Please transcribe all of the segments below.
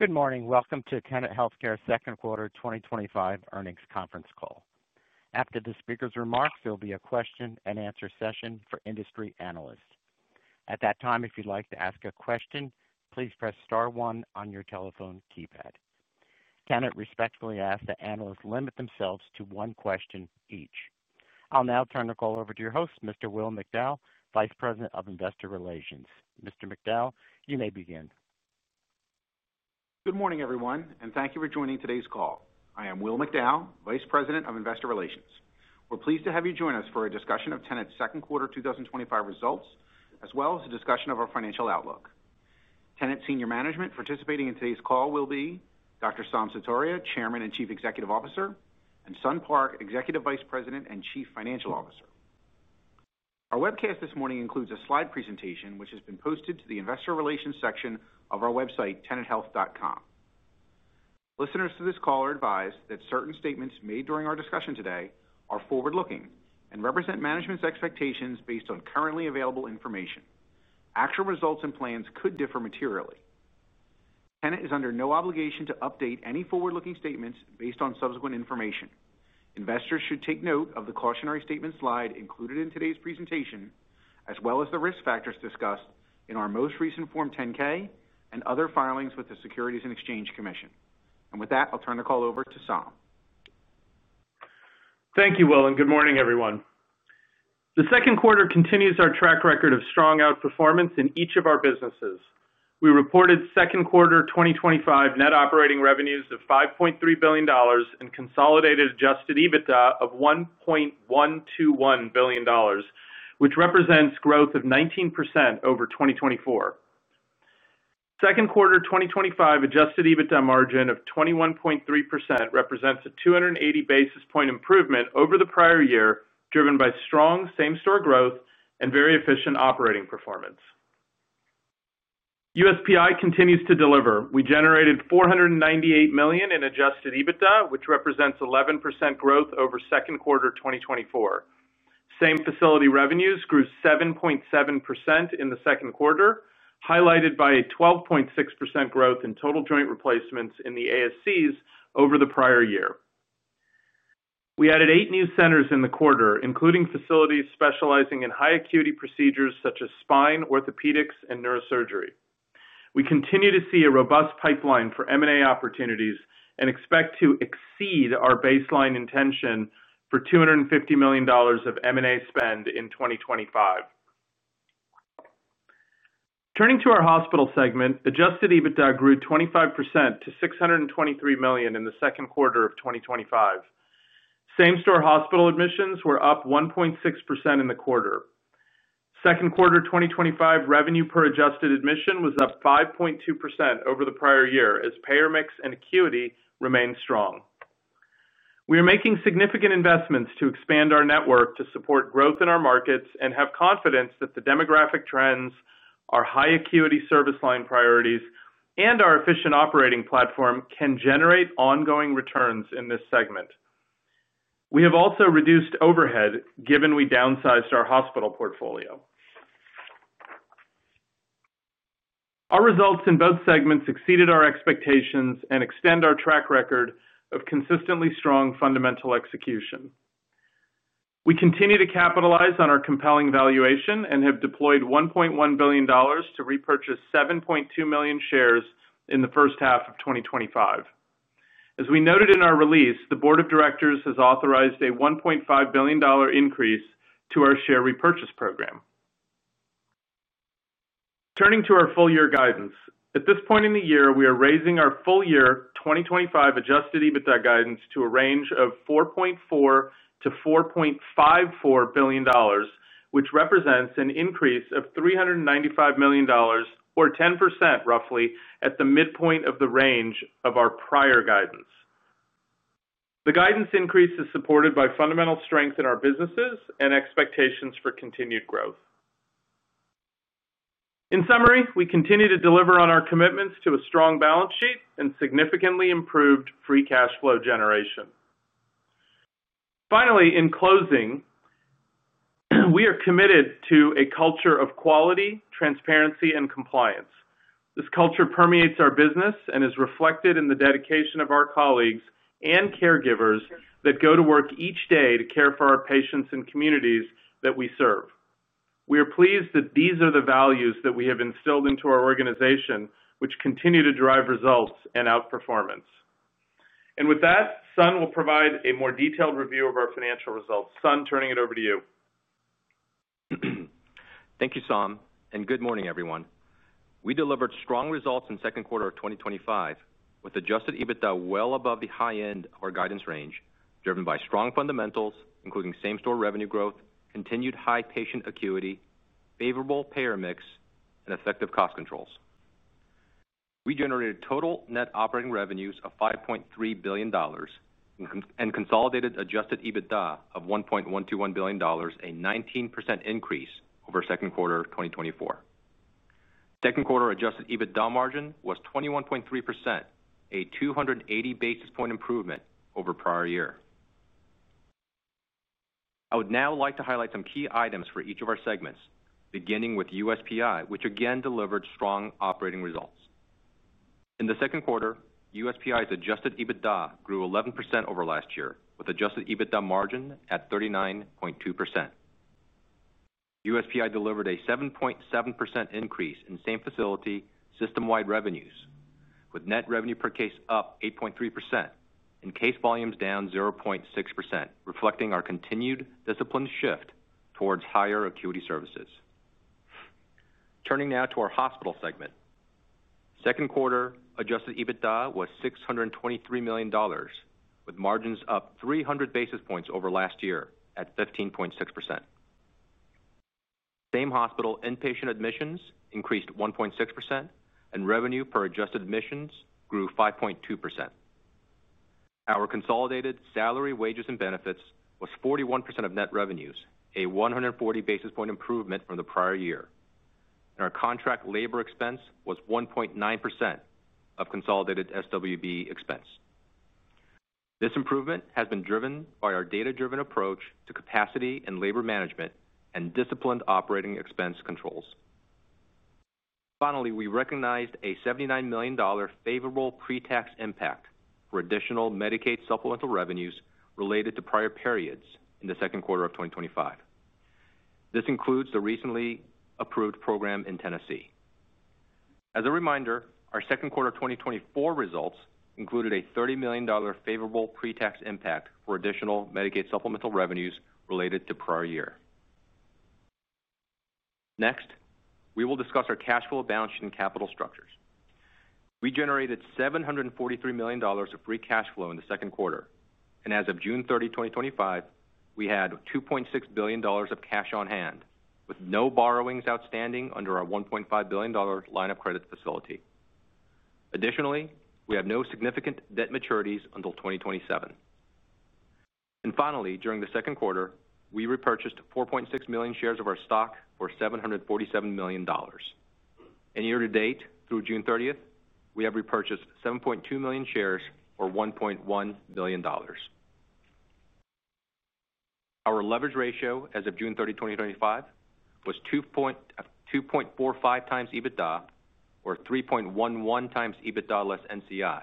Good morning. Welcome to Tenet Healthcare's Second Quarter 2025 earnings conference call. After the speaker's remarks, there will be a question-and-answer session for industry analysts. At that time, if you'd like to ask a question, please press star one on your telephone keypad. Tenet respectfully asks that analysts limit themselves to one question each. I'll now turn the call over to your host, Mr. Will McDowell, Vice President of Investor Relations. Mr. McDowell, you may begin. Good morning, everyone, and thank you for joining today's call. I am Will McDowell, Vice President of Investor Relations. We're pleased to have you join us for a discussion of Tenet's second quarter 2025 results, as well as a discussion of our financial outlook. Tenet's senior management participating in today's call will be Dr. Saum Sutaria, Chairman and Chief Executive Officer, and Sun Park, Executive Vice President and Chief Financial Officer. Our webcast this morning includes a slide presentation which has been posted to the Investor Relations section of our website, tenethealth.com. Listeners to this call are advised that certain statements made during our discussion today are forward-looking and represent management's expectations based on currently available information. Actual results and plans could differ materially. Tenet is under no obligation to update any forward-looking statements based on subsequent information. Investors should take note of the cautionary statement slide included in today's presentation, as well as the risk factors discussed in our most recent Form 10-K and other filings with the Securities and Exchange Commission. With that, I'll turn the call over to Saum. Thank you, Will, and good morning, everyone. The second quarter continues our track record of strong outperformance in each of our businesses. We reported second quarter 2025 net operating revenues of $5.3 billion and consolidated adjusted EBITDA of $1.121 billion, which represents growth of 19% over 2024. Second quarter 2025 adjusted EBITDA margin of 21.3% represents a 280 basis point improvement over the prior year, driven by strong same-store growth and very efficient operating performance. USPI continues to deliver. We generated $498 million in adjusted EBITDA, which represents 11% growth over second quarter 2024. Same-facility revenues grew 7.7% in the second quarter, highlighted by a 12.6% growth in total joint replacements in the ASCs over the prior year. We added eight new centers in the quarter, including facilities specializing in high-acuity procedures such as spine, orthopedics, and neurosurgery. We continue to see a robust pipeline for M&A opportunities and expect to exceed our baseline intention for $250 million of M&A spend in 2025. Turning to our hospital segment, adjusted EBITDA grew 25% to $623 million in the second quarter of 2025. Same-store hospital admissions were up 1.6% in the quarter. Second quarter 2025 revenue per adjusted admission was up 5.2% over the prior year as payer mix and acuity remained strong. We are making significant investments to expand our network to support growth in our markets and have confidence that the demographic trends, our high-acuity service line priorities, and our efficient operating platform can generate ongoing returns in this segment. We have also reduced overhead given we downsized our hospital portfolio. Our results in both segments exceeded our expectations and extend our track record of consistently strong fundamental execution. We continue to capitalize on our compelling valuation and have deployed $1.1 billion to repurchase 7.2 million shares in the first half of 2025. As we noted in our release, the Board of Directors has authorized a $1.5 billion increase to our share repurchase program. Turning to our full-year guidance, at this point in the year, we are raising our full-year 2025 adjusted EBITDA guidance to a range of $4.4 to $4.54 billion, which represents an increase of $395 million, or 10% roughly, at the midpoint of the range of our prior guidance. The guidance increase is supported by fundamental strength in our businesses and expectations for continued growth. In summary, we continue to deliver on our commitments to a strong balance sheet and significantly improved free cash flow generation. Finally, in closing. We are committed to a culture of quality, transparency, and compliance. This culture permeates our business and is reflected in the dedication of our colleagues and caregivers that go to work each day to care for our patients and communities that we serve. We are pleased that these are the values that we have instilled into our organization, which continue to drive results and outperformance. With that, Sun will provide a more detailed review of our financial results. Sun, turning it over to you. Thank you, Saum, and good morning, everyone. We delivered strong results in second quarter of 2025 with adjusted EBITDA well above the high end of our guidance range, driven by strong fundamentals, including same-store revenue growth, continued high patient acuity, favorable payer mix, and effective cost controls. We generated total net operating revenues of $5.3 billion. And consolidated adjusted EBITDA of $1.121 billion, a 19% increase over second quarter 2024. Second quarter adjusted EBITDA margin was 21.3%, a 280 basis point improvement over prior year. I would now like to highlight some key items for each of our segments, beginning with USPI, which again delivered strong operating results. In the second quarter, USPI's adjusted EBITDA grew 11% over last year, with adjusted EBITDA margin at 39.2%. USPI delivered a 7.7% increase in same-facility system-wide revenues, with net revenue per case up 8.3% and case volumes down 0.6%, reflecting our continued disciplined shift towards higher acuity services. Turning now to our hospital segment. Second quarter adjusted EBITDA was $623 million, with margins up 300 basis points over last year at 15.6%. Same-hospital inpatient admissions increased 1.6%, and revenue per adjusted admissions grew 5.2%. Our consolidated salary, wages, and benefits was 41% of net revenues, a 140 basis point improvement from the prior year. And our contract labor expense was 1.9% of consolidated SWB expense. This improvement has been driven by our data-driven approach to capacity and labor management and disciplined operating expense controls. Finally, we recognized a $79 million favorable pre-tax impact for additional Medicaid supplemental revenues related to prior periods in the second quarter of 2025. This includes the recently approved program in Tennessee. As a reminder, our second quarter 2024 results included a $30 million favorable pre-tax impact for additional Medicaid supplemental revenues related to prior year. Next, we will discuss our cash flow balance sheet and capital structures. We generated $743 million of free cash flow in the second quarter, and as of June 30, 2025, we had $2.6 billion of cash on hand, with no borrowings outstanding under our $1.5 billion line of credit facility. Additionally, we have no significant debt maturities until 2027. And finally, during the second quarter, we repurchased 4.6 million shares of our stock for $747 million. And year-to-date, through June 30th, we have repurchased 7.2 million shares for $1.1 billion. Our leverage ratio as of June 30, 2025, was 2.45x EBITDA, or 3.11x EBITDA less NCI,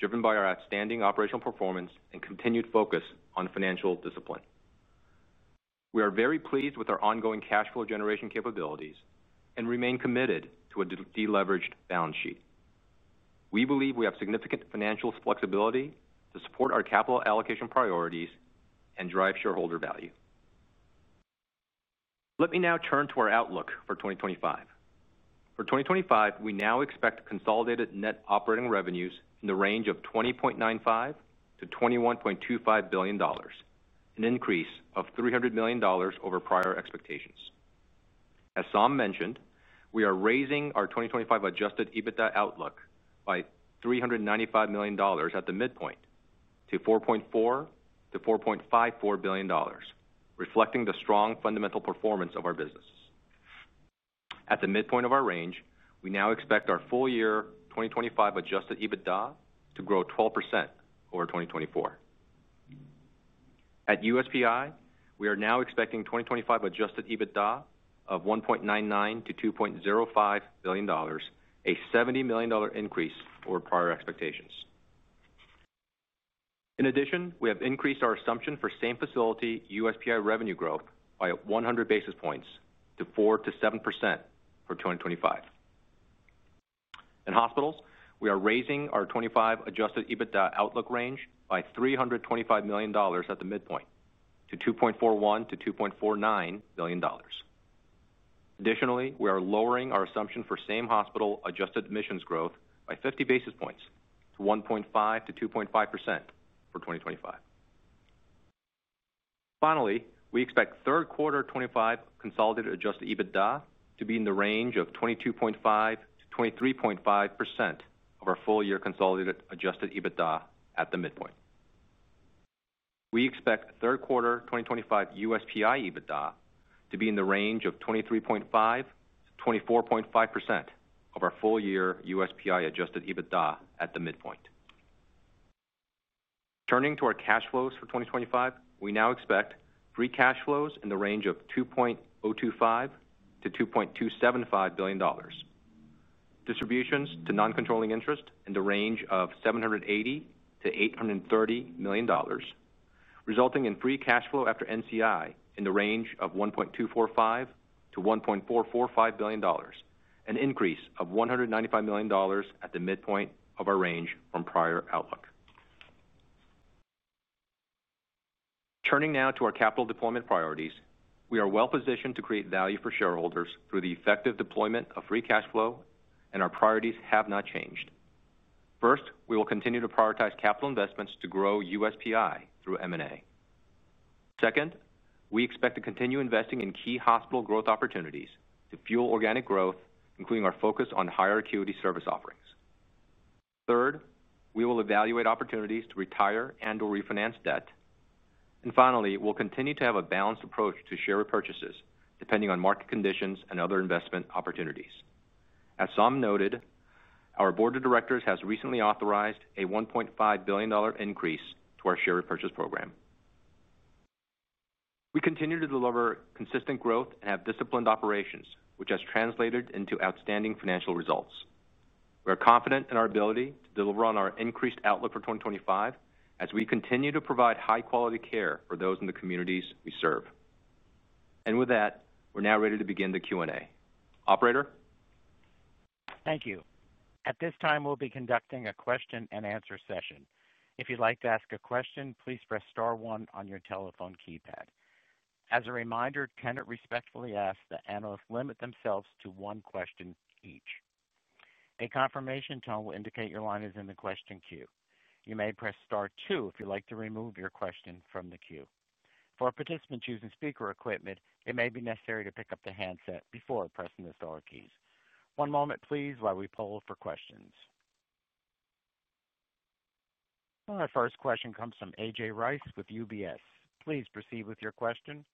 driven by our outstanding operational performance and continued focus on financial discipline. We are very pleased with our ongoing cash flow generation capabilities and remain committed to a deleveraged balance sheet. We believe we have significant financial flexibility to support our capital allocation priorities and drive shareholder value. Let me now turn to our outlook for 2025. For 2025, we now expect consolidated net operating revenues in the range of $20.95 to $21.25 billion, an increase of $300 million over prior expectations. As Saum mentioned, we are raising our 2025 adjusted EBITDA outlook by $395 million at the midpoint to $4.4 to $4.54 billion, reflecting the strong fundamental performance of our business. At the midpoint of our range, we now expect our full-year 2025 adjusted EBITDA to grow 12% over 2024. At USPI, we are now expecting 2025 adjusted EBITDA of $1.99 to $2.05 billion, a $70 million increase over prior expectations. In addition, we have increased our assumption for same-facility USPI revenue growth by 100 basis points to 4% to 7% for 2025. In hospitals, we are raising our 2025 adjusted EBITDA outlook range by $325 million at the midpoint to $2.41 to $2.49 billion. Additionally, we are lowering our assumption for same-hospital adjusted admissions growth by 50 basis points to 1.5% to 2.5% for 2025. Finally, we expect third quarter 2025 consolidated adjusted EBITDA to be in the range of 22.5% to 23.5% of our full-year consolidated adjusted EBITDA at the midpoint. We expect third quarter 2025 USPI EBITDA to be in the range of 23.5% to 24.5% of our full-year USPI adjusted EBITDA at the midpoint. Turning to our cash flows for 2025, we now expect free cash flows in the range of $2.025 to $2.275 billion. Distributions to non-controlling interest in the range of $780 to $830 million, resulting in free cash flow after NCI in the range of $1.245 to $1.445 billion, an increase of $195 million at the midpoint of our range from prior outlook. Turning now to our capital deployment priorities, we are well-positioned to create value for shareholders through the effective deployment of free cash flow, and our priorities have not changed. First, we will continue to prioritize capital investments to grow USPI through M&A. Second, we expect to continue investing in key hospital growth opportunities to fuel organic growth, including our focus on higher acuity service offerings. Third, we will evaluate opportunities to retire and/or refinance debt. Finally, we'll continue to have a balanced approach to share repurchases, depending on market conditions and other investment opportunities. As Saum noted, our Board of Directors has recently authorized a $1.5 billion increase to our share repurchase program. We continue to deliver consistent growth and have disciplined operations, which has translated into outstanding financial results. We are confident in our ability to deliver on our increased outlook for 2025 as we continue to provide high-quality care for those in the communities we serve. With that, we're now ready to begin the Q&A. Operator. Thank you. At this time, we'll be conducting a question-and-answer session. If you'd like to ask a question, please press Star one on your telephone keypad. As a reminder, Tenet respectfully asks that analysts limit themselves to one question each. A confirmation tone will indicate your line is in the question queue. You may press Star two if you'd like to remove your question from the queue. For participants using speaker equipment, it may be necessary to pick up the handset before pressing the Star keys. One moment, please, while we poll for questions. Our first question comes from A.J. Rice with UBS. Please proceed with your question.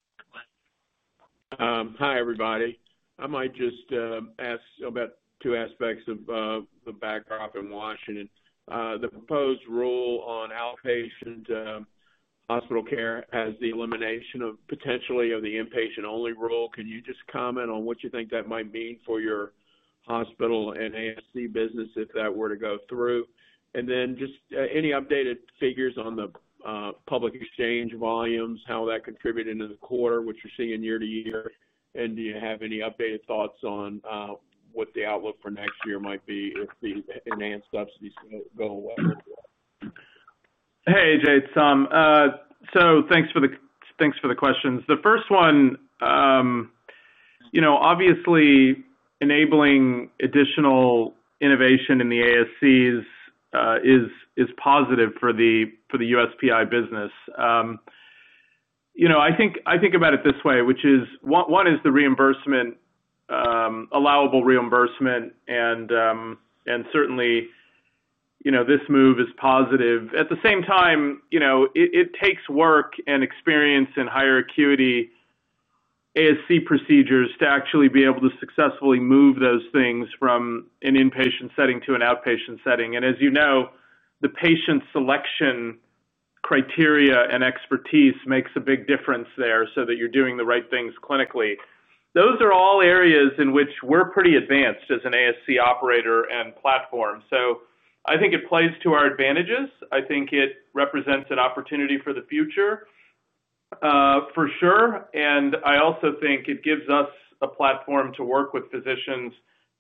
Hi, everybody. I might just ask about two aspects of the backdrop in Washington, D.C. The proposed rule on outpatient hospital care has the elimination of potentially the inpatient-only rule. Can you just comment on what you think that might mean for your hospital and ASC business if that were to go through? Also, any updated figures on the public exchange volumes, how that contributed into the quarter, what you're seeing year to year, and do you have any updated thoughts on what the outlook for next year might be if the enhanced subsidies go away? Hey, A.J., it's Saum. Thanks for the questions. The first one, obviously. Enabling additional innovation in the ASCs is positive for the USPI business. I think about it this way, which is, one, is the reimbursement. Allowable reimbursement, and certainly this move is positive. At the same time, it takes work and experience and higher acuity ASC procedures to actually be able to successfully move those things from an inpatient setting to an outpatient setting. As you know, the patient selection criteria and expertise makes a big difference there so that you're doing the right things clinically. Those are all areas in which we're pretty advanced as an ASC operator and platform. I think it plays to our advantages. I think it represents an opportunity for the future, for sure. I also think it gives us a platform to work with physicians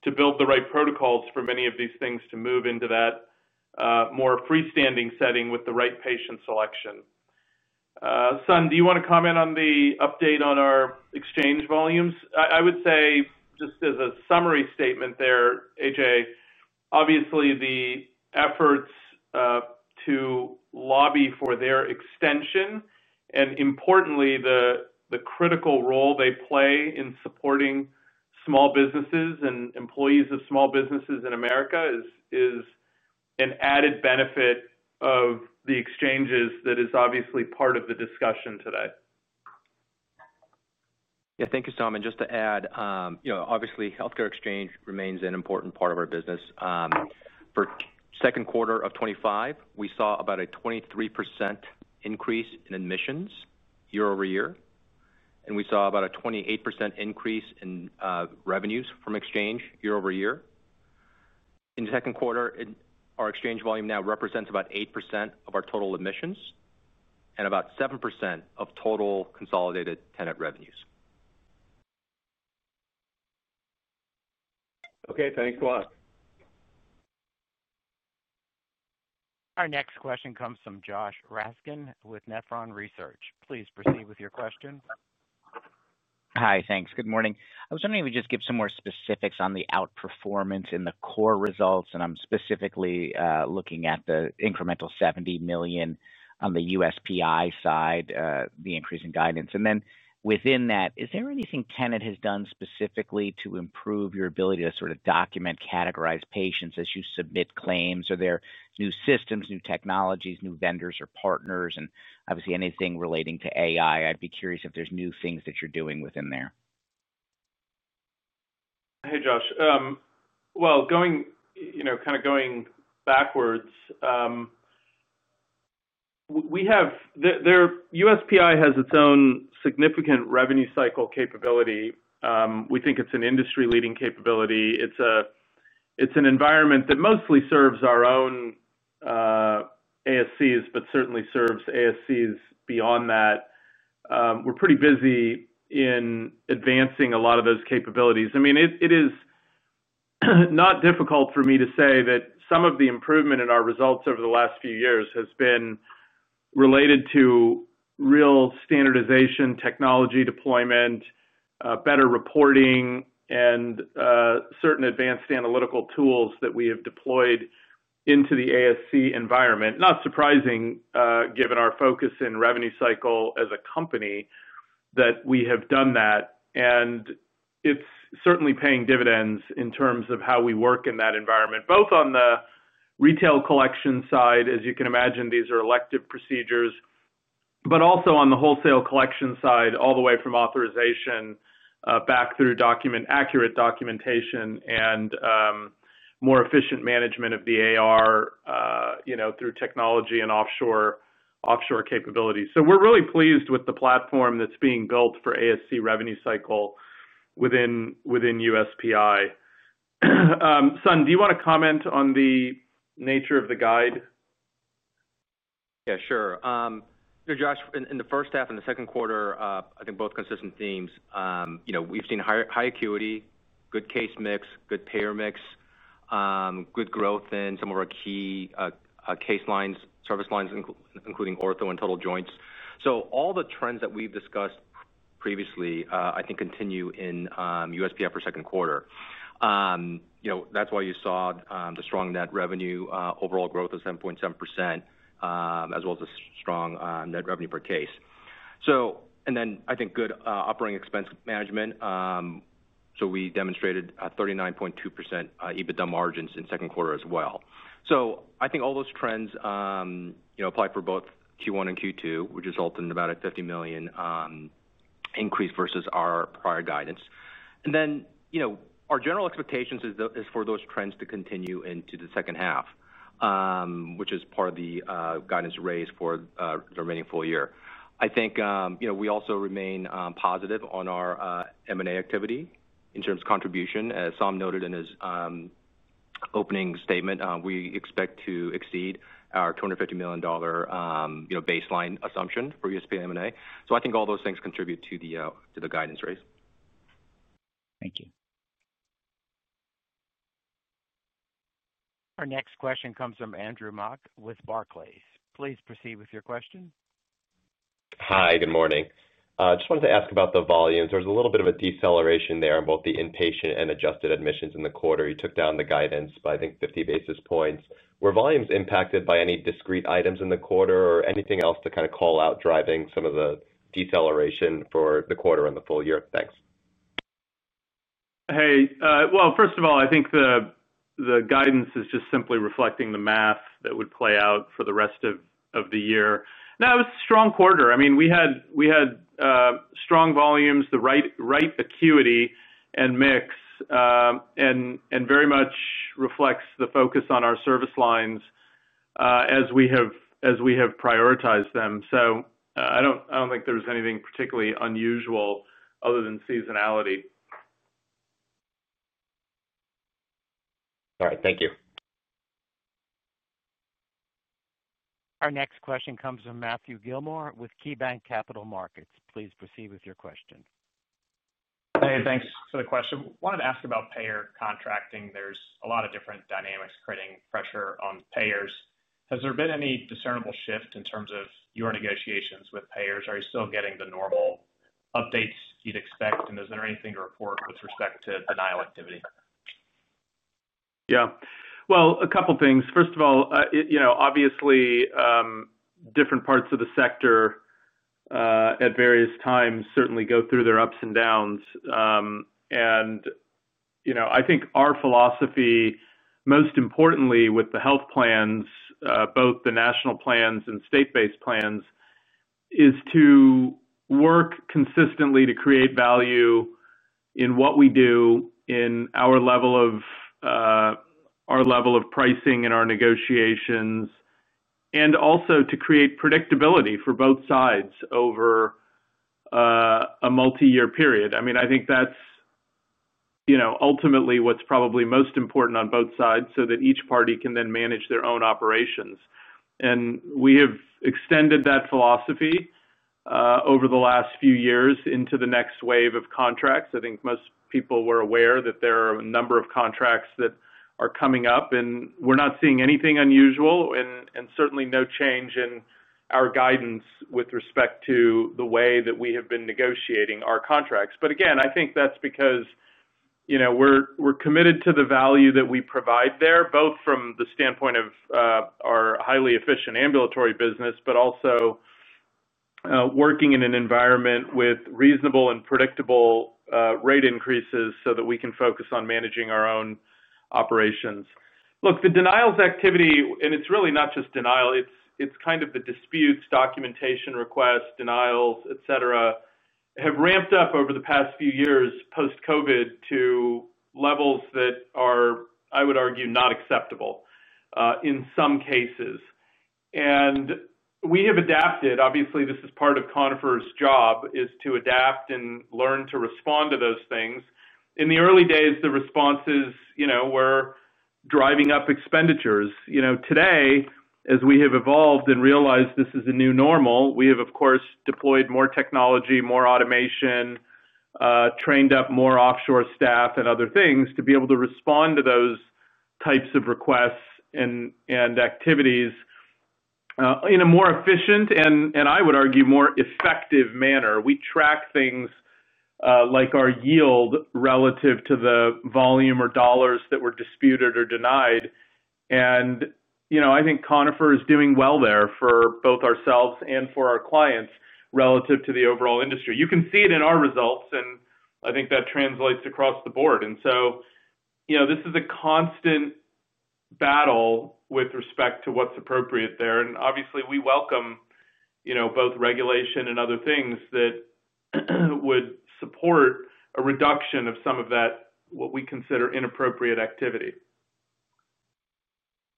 to build the right protocols for many of these things to move into that more freestanding setting with the right patient selection. Sun, do you want to comment on the update on our exchange volumes? I would say, just as a summary statement there, A.J., obviously the efforts to lobby for their extension and, importantly, the critical role they play in supporting small businesses and employees of small businesses in America is an added benefit of the exchanges that is obviously part of the discussion today. Yeah, thank you, Saum. And just to add, obviously, healthcare exchange remains an important part of our business. For second quarter of 2025, we saw about a 23% increase in admissions year over year. And we saw about a 28% increase in revenues from exchange year-over-year. In second quarter, our exchange volume now represents about 8% of our total admissions and about 7% of total consolidated Tenet revenues. Okay, thanks a lot. Our next question comes from Josh Raskin with Nephron Research. Please proceed with your question. Hi, thanks. Good morning. I was wondering if we could just give some more specifics on the outperformance in the core results. I'm specifically looking at the incremental $70 million on the USPI side, the increase in guidance. Within that, is there anything Tenet has done specifically to improve your ability to sort of document, categorize patients as you submit claims? Are there new systems, new technologies, new vendors, or partners? Obviously, anything relating to AI? I'd be curious if there's new things that you're doing within there. Hey, Josh. Kind of going backwards. USPI has its own significant revenue cycle capability. We think it's an industry-leading capability. It's an environment that mostly serves our own ASCs, but certainly serves ASCs beyond that. We're pretty busy in advancing a lot of those capabilities. I mean, it is not difficult for me to say that some of the improvement in our results over the last few years has been related to real standardization, technology deployment, better reporting, and certain advanced analytical tools that we have deployed into the ASC environment. Not surprising, given our focus in revenue cycle as a company, that we have done that. It's certainly paying dividends in terms of how we work in that environment, both on the retail collection side, as you can imagine, these are elective procedures, but also on the wholesale collection side, all the way from authorization back through accurate documentation and more efficient management of the AR through technology and offshore capabilities. We're really pleased with the platform that's being built for ASC revenue cycle within USPI. Sun, do you want to comment on the nature of the guide? Yeah, sure. Josh, in the first half and the second quarter, I think both consistent themes. We've seen high acuity, good case mix, good payer mix. Good growth in some of our key case lines, service lines, including ortho and total joints. All the trends that we've discussed previously, I think, continue in USPI for second quarter. That's why you saw the strong net revenue, overall growth of 7.7%, as well as a strong net revenue per case. I think good operating expense management. We demonstrated 39.2% EBITDA margins in second quarter as well. I think all those trends apply for both Q1 and Q2, which resulted in about a $50 million increase versus our prior guidance. Our general expectation is for those trends to continue into the second half, which is part of the guidance raised for the remaining full year. I think we also remain positive on our M&A activity in terms of contribution. As Saum noted in his opening statement, we expect to exceed our $250 million baseline assumption for USPI M&A. I think all those things contribute to the guidance raise. Thank you. Our next question comes from Andrew Mok with Barclays. Please proceed with your question. Hi, good morning. I just wanted to ask about the volumes. There was a little bit of a deceleration there in both the inpatient and adjusted admissions in the quarter. You took down the guidance by, I think, 50 basis points. Were volumes impacted by any discrete items in the quarter or anything else to kind of call out driving some of the deceleration for the quarter and the full year? Thanks. Hey. First of all, I think the guidance is just simply reflecting the math that would play out for the rest of the year. No, it was a strong quarter. I mean, we had strong volumes, the right acuity and mix. It very much reflects the focus on our service lines as we have prioritized them. I do not think there was anything particularly unusual other than seasonality. All right, thank you. Our next question comes from Matthew Gillmor with KeyBanc Capital Markets. Please proceed with your question. Hey, thanks for the question. I wanted to ask about payer contracting. There is a lot of different dynamics creating pressure on payers. Has there been any discernible shift in terms of your negotiations with payers? Are you still getting the normal updates you'd expect? Is there anything to report with respect to denial activity? Yeah. A couple of things. First of all, obviously, different parts of the sector at various times certainly go through their ups and downs. I think our philosophy, most importantly with the health plans, both the national plans and state-based plans, is to work consistently to create value in what we do in our level of pricing and our negotiations. Also, to create predictability for both sides over a multi-year period. I mean, I think that's ultimately what's probably most important on both sides so that each party can then manage their own operations. We have extended that philosophy over the last few years into the next wave of contracts. I think most people were aware that there are a number of contracts that are coming up. We're not seeing anything unusual and certainly no change in our guidance with respect to the way that we have been negotiating our contracts. Again, I think that's because we're committed to the value that we provide there, both from the standpoint of our highly efficient ambulatory business, but also working in an environment with reasonable and predictable rate increases so that we can focus on managing our own operations. Look, the denials activity, and it's really not just denial, it's kind of the disputes, documentation requests, denials, etc., have ramped up over the past few years post-COVID to levels that are, I would argue, not acceptable in some cases. We have adapted. Obviously, this is part of Conifer's job, is to adapt and learn to respond to those things. In the early days, the responses were driving up expenditures. Today, as we have evolved and realized this is a new normal, we have, of course, deployed more technology, more automation, trained up more offshore staff, and other things to be able to respond to those types of requests and activities in a more efficient and, I would argue, more effective manner. We track things like our yield relative to the volume or dollars that were disputed or denied. I think Conifer is doing well there for both ourselves and for our clients relative to the overall industry. You can see it in our results, and I think that translates across the board. This is a constant battle with respect to what's appropriate there. Obviously, we welcome both regulation and other things that would support a reduction of some of that, what we consider inappropriate activity.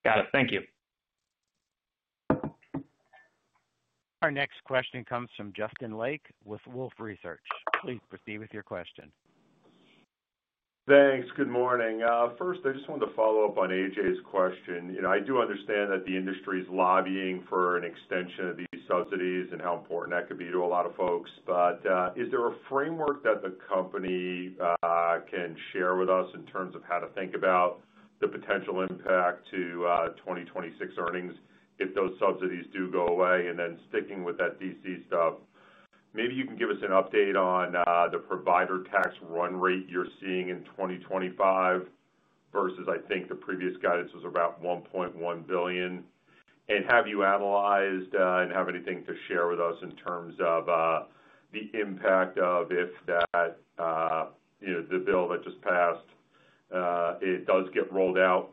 Got it. Thank you. Our next question comes from Justin Lake with Wolfe Research. Please proceed with your question. Thanks. Good morning. First, I just wanted to follow up on A.J.'s question. I do understand that the industry is lobbying for an extension of these subsidies and how important that could be to a lot of folks. Is there a framework that the company can share with us in terms of how to think about the potential impact to 2026 earnings if those subsidies do go away? Sticking with that D.C. stuff, maybe you can give us an update on the provider tax run rate you're seeing in 2025 versus, I think the previous guidance was about $1.1 billion. Have you analyzed and have anything to share with us in terms of the impact of if that bill that just passed does get rolled out,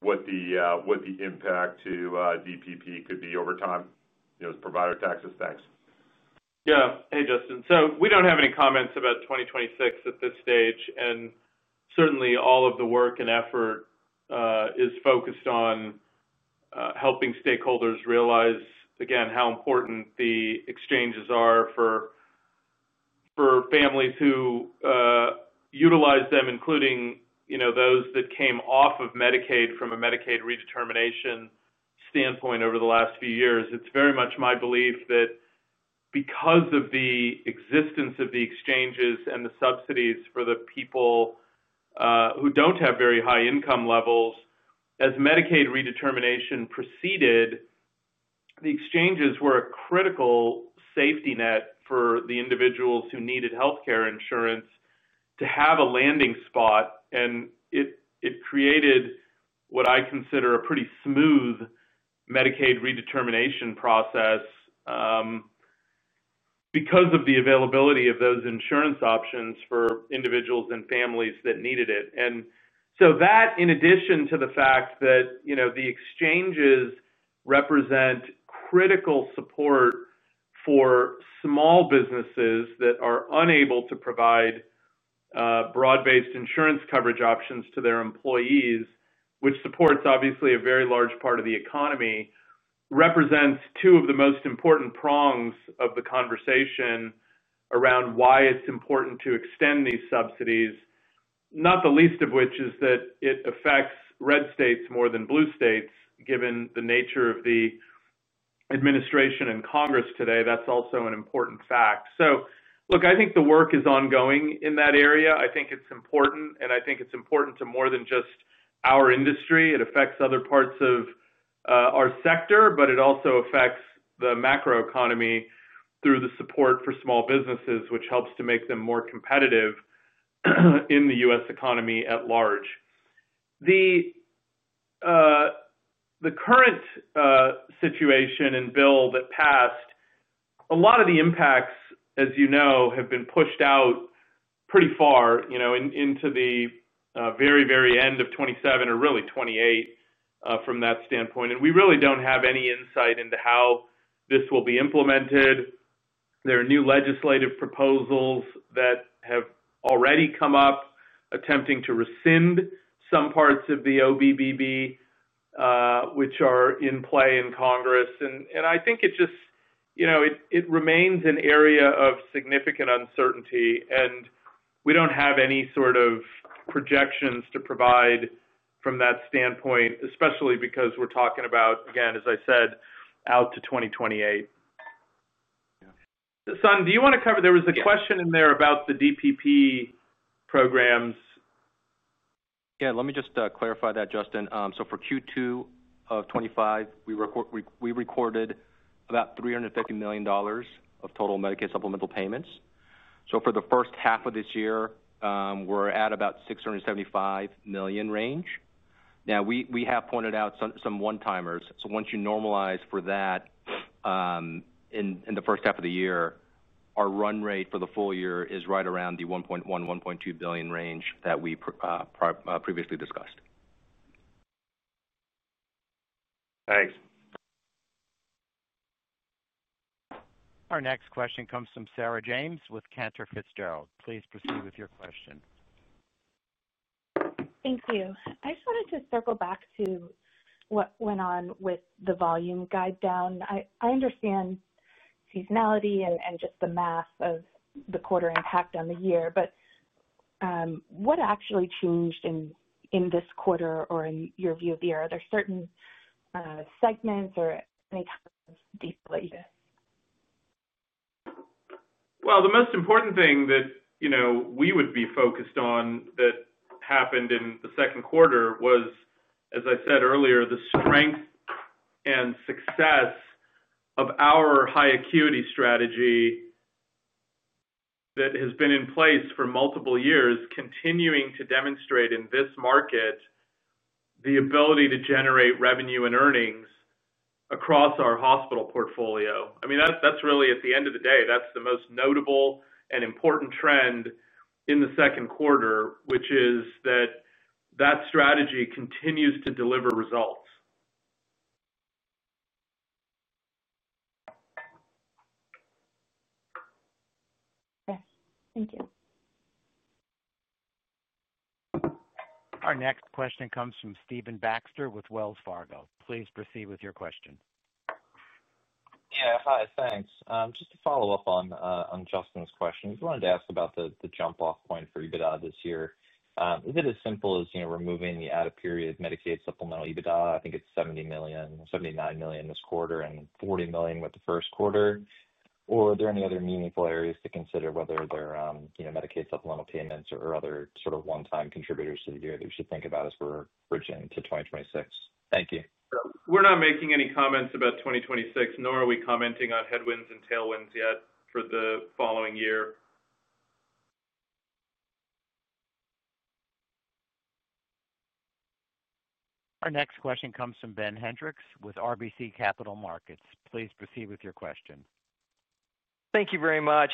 what the impact to DPP could be over time as provider taxes? Thanks. Yeah. Hey, Justin. We do not have any comments about 2026 at this stage. Certainly, all of the work and effort is focused on helping stakeholders realize, again, how important the exchanges are for families who utilize them, including those that came off of Medicaid from a Medicaid redetermination standpoint over the last few years. It is very much my belief that, because of the existence of the exchanges and the subsidies for the people who do not have very high income levels, as Medicaid redetermination proceeded, the exchanges were a critical safety net for the individuals who needed healthcare insurance to have a landing spot. It created what I consider a pretty smooth Medicaid redetermination process because of the availability of those insurance options for individuals and families that needed it. That, in addition to the fact that the exchanges represent critical support for small businesses that are unable to provide broad-based insurance coverage options to their employees, which supports, obviously, a very large part of the economy, represents two of the most important prongs of the conversation around why it is important to extend these subsidies, not the least of which is that it affects red states more than blue states, given the nature of the administration and Congress today. That is also an important fact. Look, I think the work is ongoing in that area. I think it is important. I think it is important to more than just our industry. It affects other parts of our sector, but it also affects the macroeconomy through the support for small businesses, which helps to make them more competitive in the U.S. economy at large. The current situation and bill that passed, a lot of the impacts, as you know, have been pushed out pretty far into the very, very end of 2027 or really 2028 from that standpoint. We really do not have any insight into how this will be implemented. There are new legislative proposals that have already come up, attempting to rescind some parts of the OBBB, which are in play in Congress. I think it just remains an area of significant uncertainty. We do not have any sort of projections to provide from that standpoint, especially because we are talking about, again, as I said, out to 2028. Sun, do you want to cover? There was a question in there about the DPP programs. Yeah. Let me just clarify that, Justin. For Q2 of 2025, we recorded about $350 million of total Medicaid supplemental payments. For the first half of this year, we are at about the $675 million range. We have pointed out some one-timers. Once you normalize for that, in the first half of the year, our run rate for the full year is right around the $1.1 billion to $1.2 billion range that we previously discussed. Thanks. Our next question comes from Sarah James with Cantor Fitzgerald. Please proceed with your question. Thank you. I just wanted to circle back to what went on with the volume guide down. I understand seasonality and just the math of the quarter impact on the year. What actually changed in this quarter or in your view of the year? Are there certain segments or any kind of deeply? The most important thing that we would be focused on that happened in the second quarter was, as I said earlier, the strength and success of our high acuity strategy. That has been in place for multiple years, continuing to demonstrate in this market the ability to generate revenue and earnings across our hospital portfolio. I mean, that's really, at the end of the day, that's the most notable and important trend in the second quarter, which is that that strategy continues to deliver results. Thank you. Our next question comes from Stephen Baxter with Wells Fargo. Please proceed with your question. Yeah. Hi, thanks. Just to follow up on Justin's question, I just wanted to ask about the jump-off point for EBITDA this year. Is it as simple as removing the added period Medicaid supplemental EBITDA? I think it's $70 million, $79 million this quarter and $40 million with the first quarter. Or are there any other meaningful areas to consider whether they're Medicaid supplemental payments or other sort of one-time contributors to the year that we should think about as we're bridging to 2026? Thank you. We're not making any comments about 2026, nor are we commenting on headwinds and tailwinds yet for the following year. Our next question comes from Ben Hendrix with RBC Capital Markets. Please proceed with your question. Thank you very much.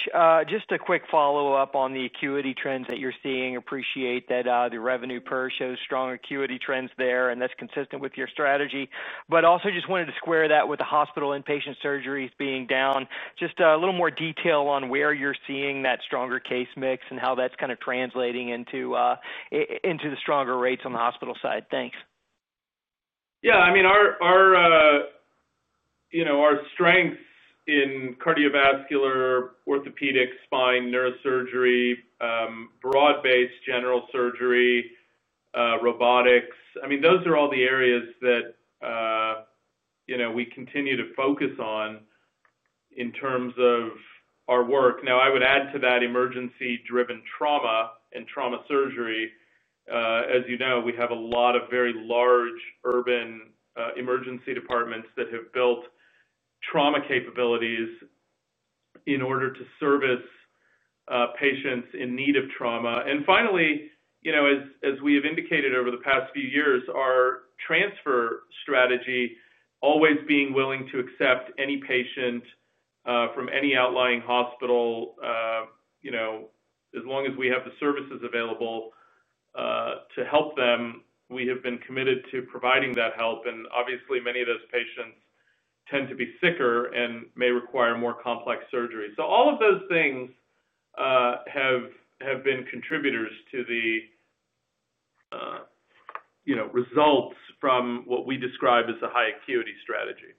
Just a quick follow-up on the acuity trends that you're seeing. Appreciate that the revenue per shows strong acuity trends there, and that's consistent with your strategy. Also just wanted to square that with the hospital inpatient surgeries being down. Just a little more detail on where you're seeing that stronger case mix and how that's kind of translating into the stronger rates on the hospital side. Thanks. Yeah. I mean, our strengths in cardiovascular, orthopedic, spine, neurosurgery, broad-based general surgery, robotics, I mean, those are all the areas that we continue to focus on. In terms of our work. Now, I would add to that emergency-driven trauma and trauma surgery. As you know, we have a lot of very large urban emergency departments that have built trauma capabilities. In order to service patients in need of trauma. Finally, as we have indicated over the past few years, our transfer strategy, always being willing to accept any patient from any outlying hospital as long as we have the services available to help them, we have been committed to providing that help. Obviously, many of those patients tend to be sicker and may require more complex surgery. All of those things have been contributors to the results from what we describe as a high acuity strategy.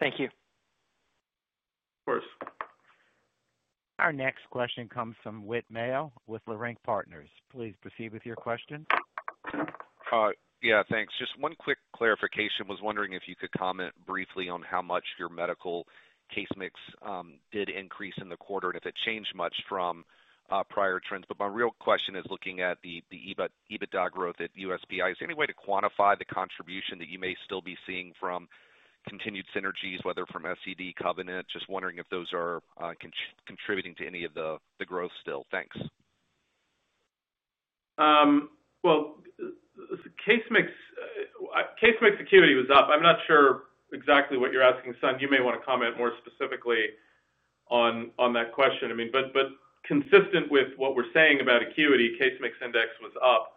Thank you. Of course. Our next question comes from Whit Mayo with Leerink Partners. Please proceed with your question. Yeah. Thanks. Just one quick clarification. I was wondering if you could comment briefly on how much your medical case mix did increase in the quarter and if it changed much from prior trends. My real question is looking at the EBITDA growth at USPI, is there any way to quantify the contribution that you may still be seeing from continued synergies, whether from SCD, Covenant? Just wondering if those are contributing to any of the growth still. Thanks. Case mix. Acuity was up. I'm not sure exactly what you're asking, Sun. You may want to comment more specifically on that question. I mean, but consistent with what we're saying about acuity, case mix index was up.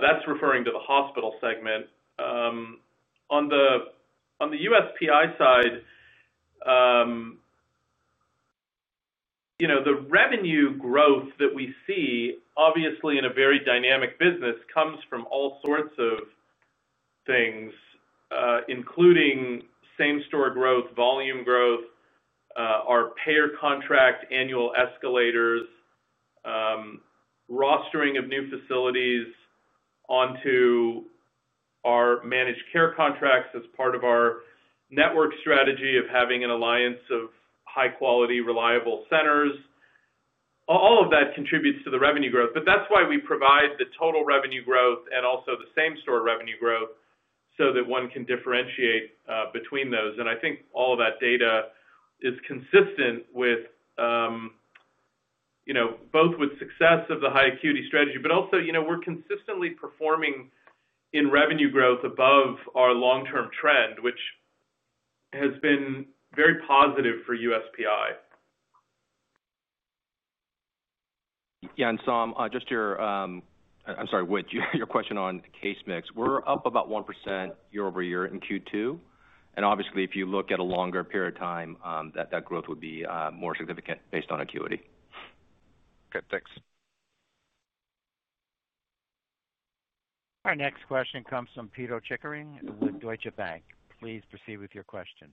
That's referring to the hospital segment. On the USPI side. The revenue growth that we see, obviously in a very dynamic business, comes from all sorts of things, including same-store growth, volume growth. Our payer contract, annual escalators. Rostering of new facilities onto our managed care contracts as part of our network strategy of having an alliance of high-quality, reliable centers. All of that contributes to the revenue growth. That's why we provide the total revenue growth and also the same-store revenue growth so that one can differentiate between those. I think all of that data is consistent with both with success of the high acuity strategy, but also we're consistently performing in revenue growth above our long-term trend, which has been very positive for USPI. Yeah. Saum, just your—I'm sorry, Will—your question on the case mix. We're up about 1% year over year in Q2. Obviously, if you look at a longer period of time, that growth would be more significant based on acuity. Okay. Thanks. Our next question comes from Pito Chickering with Deutsche Bank. Please proceed with your question.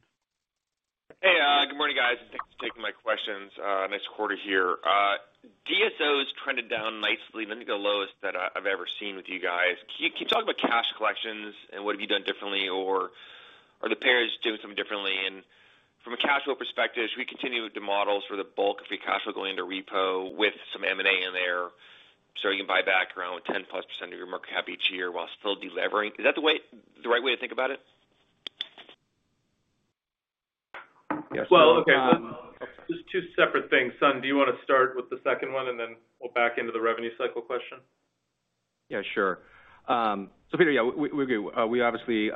Hey. Good morning, guys. Thanks for taking my questions. Nice quarter here. DSOs trended down nicely. I think the lowest that I've ever seen with you guys. Can you talk about cash collections and what have you done differently, or are the payers doing something differently? From a cash flow perspective, should we continue with the models for the bulk of free cash flow going into repo with some M&A in there so you can buy back around 10% plus of your market cap each year while still delivering? Is that the right way to think about it? Okay. Just two separate things. Sun, do you want to start with the second one and then go back into the revenue cycle question? Yeah. Sure. So Pito, yeah, we agree. We obviously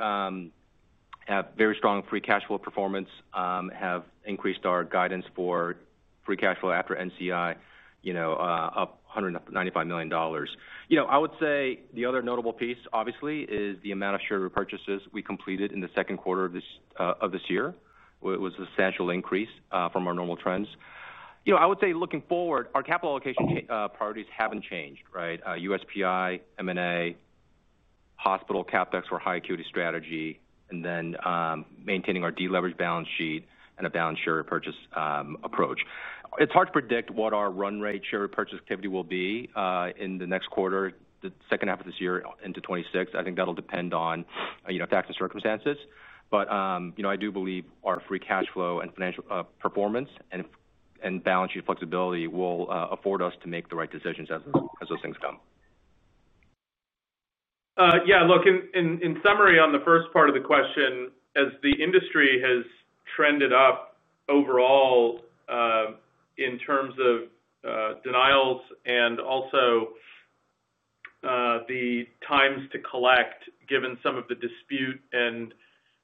have very strong free cash flow performance, have increased our guidance for free cash flow after NCI. Up $195 million. I would say the other notable piece, obviously, is the amount of share repurchases we completed in the second quarter of this year. It was a substantial increase from our normal trends. I would say looking forward, our capital allocation priorities have not changed, right? USPI, M&A. Hospital, CapEx for high acuity strategy, and then maintaining our deleveraged balance sheet and a balanced share repurchase approach. It is hard to predict what our run rate share repurchase activity will be in the next quarter, the second half of this year into 2026. I think that will depend on facts and circumstances. But I do believe our free cash flow and financial performance and balance sheet flexibility will afford us to make the right decisions as those things come. Yeah. Look, in summary on the first part of the question, as the industry has trended up overall in terms of denials and also the times to collect, given some of the dispute and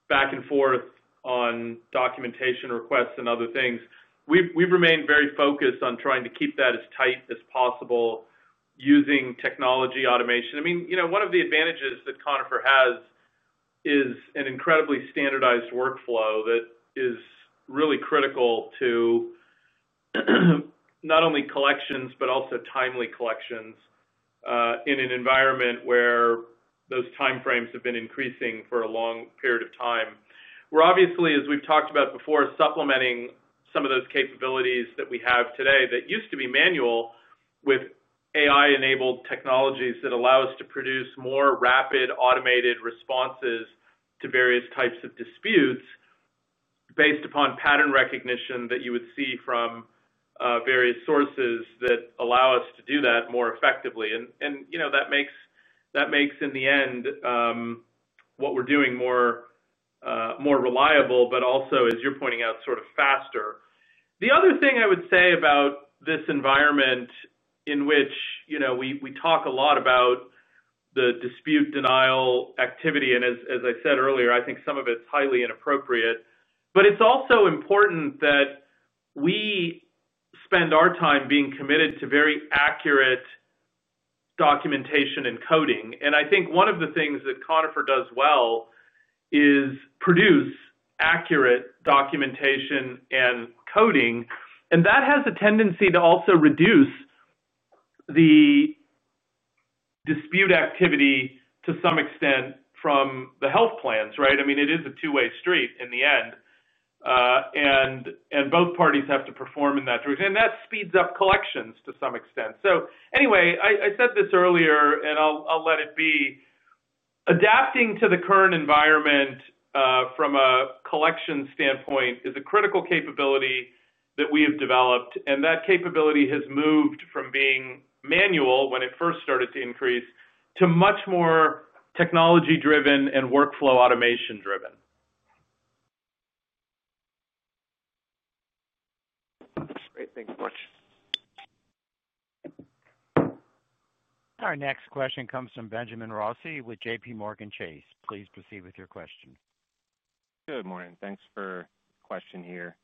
back and forth on documentation requests and other things, we've remained very focused on trying to keep that as tight as possible using technology automation. I mean, one of the advantages that Conifer has is an incredibly standardized workflow that is really critical to not only collections but also timely collections. In an environment where those timeframes have been increasing for a long period of time, we're obviously, as we've talked about before, supplementing some of those capabilities that we have today that used to be manual with AI-enabled technologies that allow us to produce more rapid automated responses to various types of disputes. Based upon pattern recognition that you would see from various sources that allow us to do that more effectively. That makes, in the end, what we're doing more reliable, but also, as you're pointing out, sort of faster. The other thing I would say about this environment in which we talk a lot about the dispute denial activity, and as I said earlier, I think some of it's highly inappropriate, but it's also important that we spend our time being committed to very accurate documentation and coding. I think one of the things that Conifer does well is produce accurate documentation and coding. That has a tendency to also reduce the dispute activity to some extent from the health plans, right? I mean, it is a two-way street in the end, and both parties have to perform in that direction, and that speeds up collections to some extent. Anyway, I said this earlier, and I'll let it be. Adapting to the current environment from a collection standpoint is a critical capability that we have developed, and that capability has moved from being manual when it first started to increase to much more technology-driven and workflow automation-driven. Great. Thanks so much. Our next question comes from Benjamin Rossi with JPMorgan Chase. Please proceed with your question. Good morning. Thanks for the question here.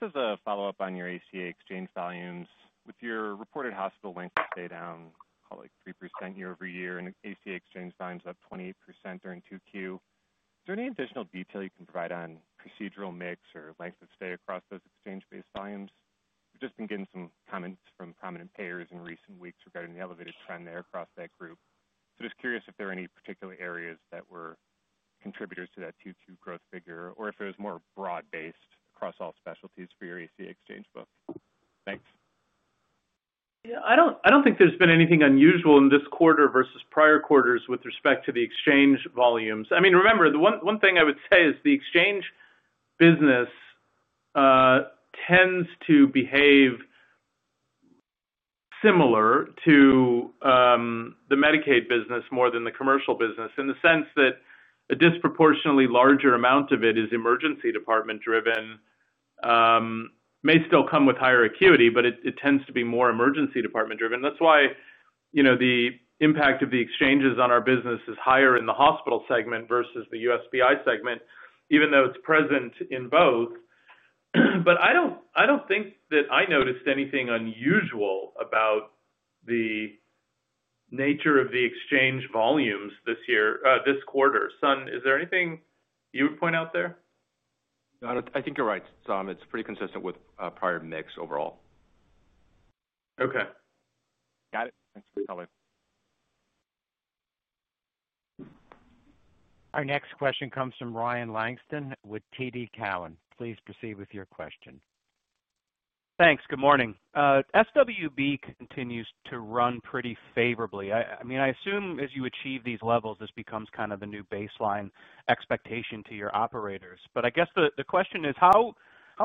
Just as a follow-up on your ACA exchange volumes, with your reported hospital length of stay down, call it 3% year over year, and ACA exchange volumes up 28% during Q2. Is there any additional detail you can provide on procedural mix or length of stay across those exchange-based volumes? We've just been getting some comments from prominent payers in recent weeks regarding the elevated trend there across that group. Just curious if there are any particular areas that were contributors to that Q2 growth figure or if it was more broad-based across all specialties for your ACA exchange book? Thanks. Yeah. I do not think there has been anything unusual in this quarter versus prior quarters with respect to the exchange volumes. I mean, remember, the one thing I would say is the exchange business tends to behave similar to the Medicaid business more than the commercial business in the sense that a disproportionately larger amount of it is emergency department-driven. It may still come with higher acuity, but it tends to be more emergency department-driven. That is why the impact of the exchanges on our business is higher in the hospital segment versus the USPI segment, even though it is present in both. I do not think that I noticed anything unusual about the nature of the exchange volumes this quarter. Sun, is there anything you would point out there? I think you're right, Saum. It's pretty consistent with prior mix overall. Okay. Got it. Thanks for telling. Our next question comes from Ryan Langston with TD Cowen. Please proceed with your question. Thanks. Good morning. SWB continues to run pretty favorably. I mean, I assume as you achieve these levels, this becomes kind of the new baseline expectation to your operators. I guess the question is, how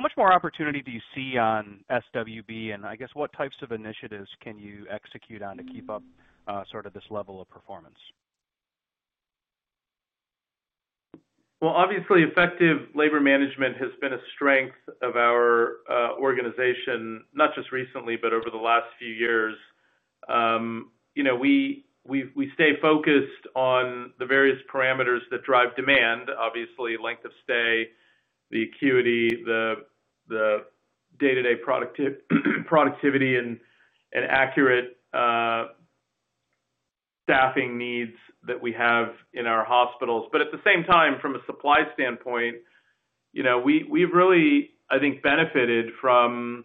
much more opportunity do you see on SWB? I guess what types of initiatives can you execute on to keep up sort of this level of performance? Obviously, effective labor management has been a strength of our organization, not just recently, but over the last few years. We stay focused on the various parameters that drive demand, obviously, length of stay, the acuity, the day-to-day productivity, and accurate staffing needs that we have in our hospitals. At the same time, from a supply standpoint, we've really, I think, benefited from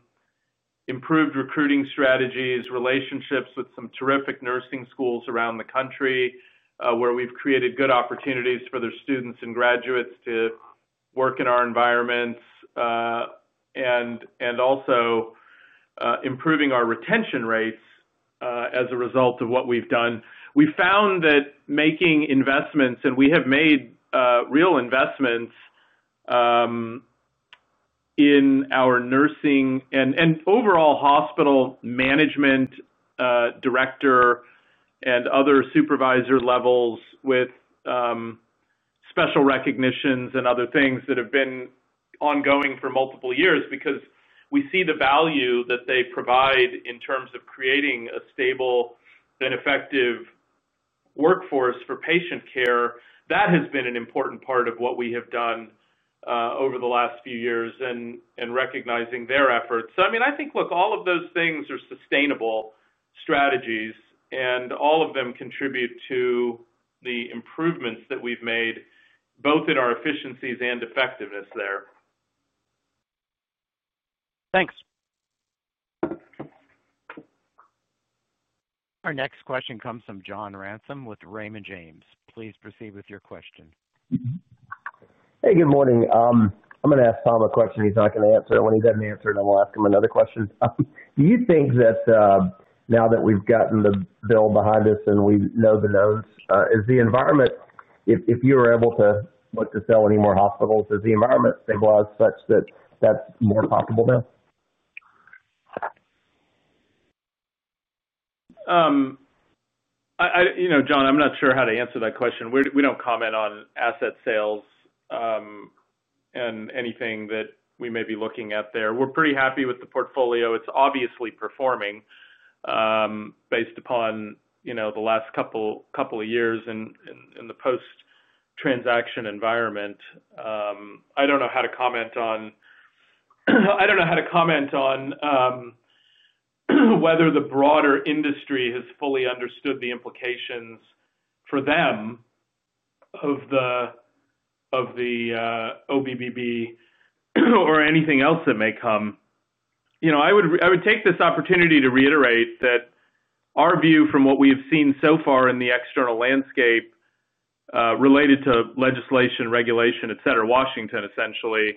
improved recruiting strategies, relationships with some terrific nursing schools around the country where we've created good opportunities for their students and graduates to work in our environments, and also improving our retention rates as a result of what we've done. We found that making investments, and we have made real investments in our nursing and overall hospital management director and other supervisor levels with special recognitions and other things that have been ongoing for multiple years because we see the value that they provide in terms of creating a stable and effective workforce for patient care. That has been an important part of what we have done over the last few years and recognizing their efforts. I mean, I think, look, all of those things are sustainable strategies, and all of them contribute to the improvements that we've made both in our efficiencies and effectiveness there. Thanks. Our next question comes from John Ransom with Raymond James. Please proceed with your question. Hey, good morning. I'm going to ask Saum a question he's not going to answer. When he doesn't answer, then we'll ask him another question. Do you think that, now that we've gotten the bill behind us and we know the knowns, is the environment, if you were able to look to sell any more hospitals, is the environment stabilized such that that's more possible now? John, I'm not sure how to answer that question. We don't comment on asset sales. Anything that we may be looking at there, we're pretty happy with the portfolio. It's obviously performing based upon the last couple of years in the post-transaction environment. I don't know how to comment on whether the broader industry has fully understood the implications for them of the OBBB or anything else that may come. I would take this opportunity to reiterate that our view from what we have seen so far in the external landscape related to legislation, regulation, etc., Washington, essentially.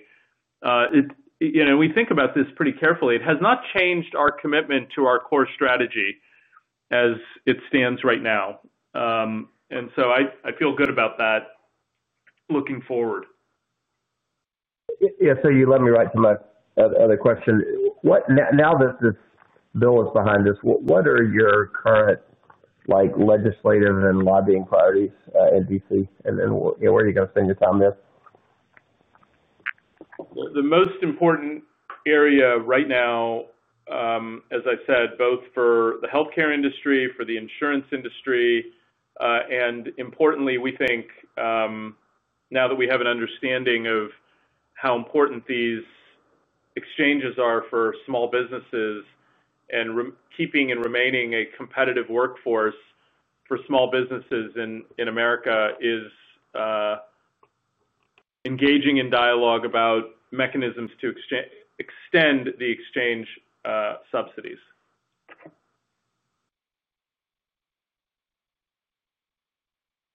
We think about this pretty carefully. It has not changed our commitment to our core strategy as it stands right now. I feel good about that, looking forward. Yeah. So you let me write some other questions. Now that this bill is behind us, what are your current legislative and lobbying priorities in D.C.? And where are you going to spend your time there? The most important area right now. As I said, both for the healthcare industry, for the insurance industry. Importantly, we think now that we have an understanding of how important these exchanges are for small businesses and keeping and remaining a competitive workforce for small businesses in America is engaging in dialogue about mechanisms to extend the exchange subsidies.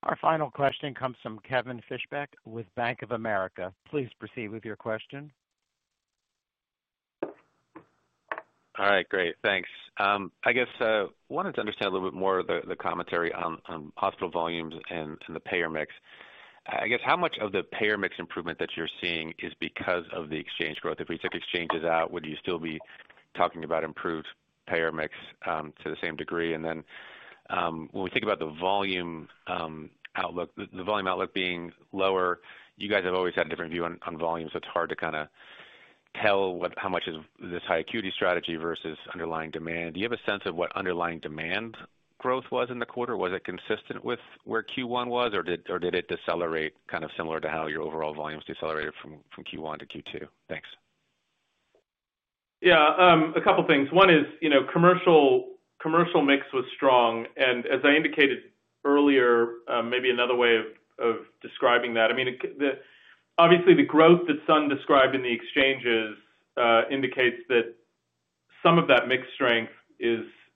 Our final question comes from Kevin Fischbeck with Bank of America. Please proceed with your question. All right. Great. Thanks. I guess I wanted to understand a little bit more of the commentary on hospital volumes and the payer mix. I guess how much of the payer mix improvement that you're seeing is because of the exchange growth? If we took exchanges out, would you still be talking about improved payer mix to the same degree? When we think about the volume outlook, the volume outlook being lower, you guys have always had a different view on volume, so it's hard to kind of tell how much is this high-acuity strategy versus underlying demand. Do you have a sense of what underlying demand growth was in the quarter? Was it consistent with where Q1 was, or did it decelerate kind of similar to how your overall volumes decelerated from Q1 to Q2? Thanks. Yeah. A couple of things. One is commercial. Mix was strong. And as I indicated earlier, maybe another way of describing that, I mean. Obviously, the growth that Sun described in the exchanges indicates that. Some of that mix strength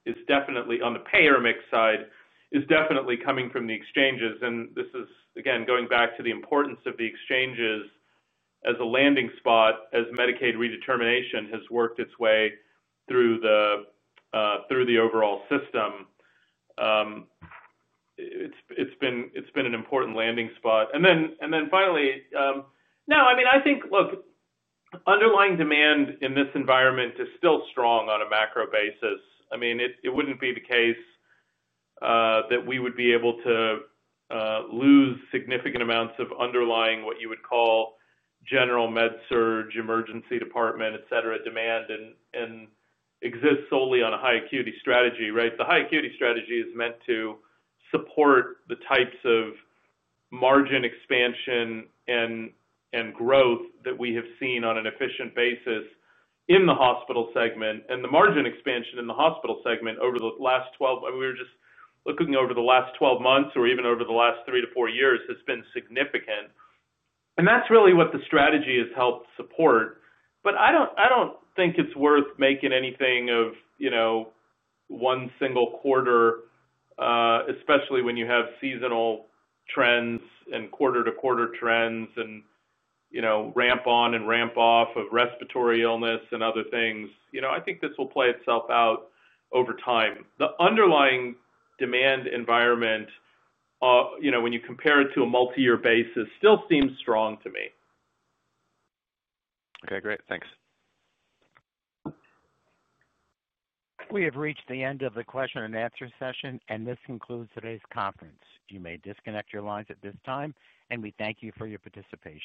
is. Definitely on the payer mix side is definitely coming from the exchanges. And this is, again, going back to the importance of the exchanges as a landing spot as Medicaid redetermination has worked its way through the. Overall system. It's been an important landing spot. And then finally. No, I mean, I think, look. Underlying demand in this environment is still strong on a macro basis. I mean, it wouldn't be the case. That we would be able to. Lose significant amounts of underlying what you would call. General med surge, emergency department, etc., demand and. Exists solely on a high acuity strategy, right? The high acuity strategy is meant to support the types of. Margin expansion and growth that we have seen on an efficient basis in the hospital segment. And the margin expansion in the hospital segment over the last 12—I mean, we were just looking over the last 12 months or even over the last three to four years—has been significant. And that's really what the strategy has helped support. But I don't think it's worth making anything of. One single quarter. Especially when you have seasonal trends and quarter-to-quarter trends and. Ramp on and ramp off of respiratory illness and other things. I think this will play itself out over time. The underlying demand environment. When you compare it to a multi-year basis, still seems strong to me. Okay. Great. Thanks. We have reached the end of the question and answer session, and this concludes today's conference. You may disconnect your lines at this time, and we thank you for your participation.